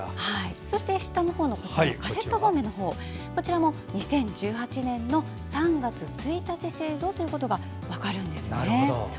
こちらのカセットボンベのほうこちらも２０１８年の３月１日製造ということが分かるんですね。